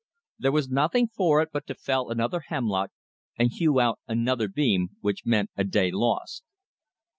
There was nothing for it but to fell another hemlock and hew out another beam, which meant a day lost.